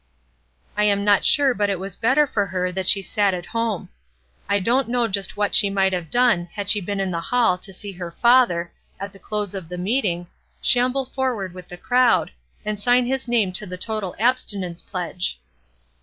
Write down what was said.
I am not sure but it was better for her that she sat at home. I don't know just what she might have done had she been in the hall to see her father, at the close of the meeting, shamble forward with the crowd, and sign his name to the total abstinence pledge.